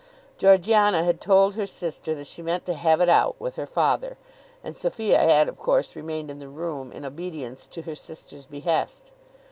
Georgiana had told her sister that she meant to "have it out" with her father, and Sophia had of course remained in the room in obedience to her sister's behest.